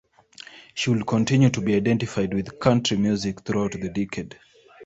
She would continue to be identified with country music throughout the decade.